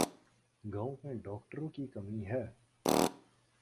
گاؤں میں ڈاکٹروں کی کمی ہے